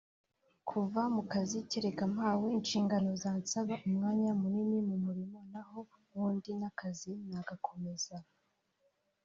kuva mu kazi kereka mpawe inshingano zansaba umwanya munini mu murimo naho ubundi n’akazi nagakomeza